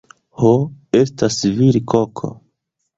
Ho, estas virkoko